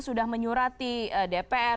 sudah menyurati dpr